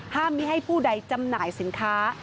ไม่ให้ผู้ใดจำหน่ายสินค้า